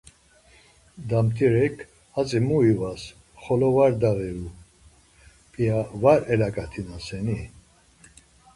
Damtirek, Hatzi mu ivas xolo var dağiru, p̌ia var elaǩatinaseni?